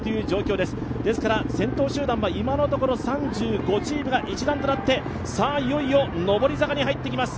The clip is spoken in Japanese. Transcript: ですから先頭集団は今のところ３５チームが一団となっていよいよ上り坂に入ってきます。